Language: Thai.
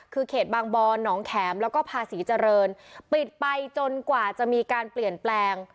คือเขตบางบอนหนองแข็มแล้วก็ภาษีเจริญปิดไปจนกว่าจะมีการเปลี่ยนแปลง